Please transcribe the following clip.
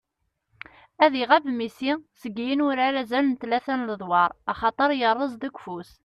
Ad iɣab Messi seg yinurar azal n tlata n ledwar axaṭer yerreẓ deg ufus.